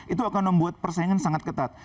itu akan membuat persaingan sangat ketat